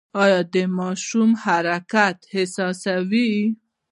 ایا د ماشوم حرکت احساسوئ؟